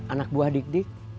anak buah dik dik